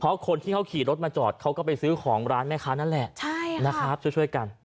เพราะคนที่เขาขี่รถมาจอดเขาก็ไปซื้อของร้านแม่ค้านั่นแหละนะครับช่วยกัน